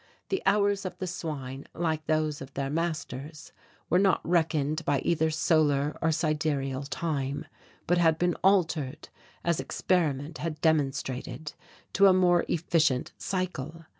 The hours of the swine, like those of their masters, were not reckoned by either solar or sidereal time, but had been altered, as experiment had demonstrated, to a more efficient cycle.